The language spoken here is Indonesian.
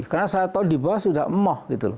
karena saya tahu di bawah sudah emoh gitu